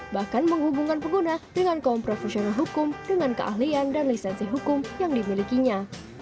bahkan menghubungkan pengguna dengan kaum profesional hukum dengan keahlian dan lisensi hukum yang dimilikinya